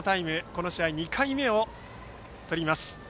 この試合２回目をとります。